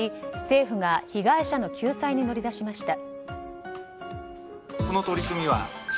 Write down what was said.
政府が被害者の救済に乗り出しました。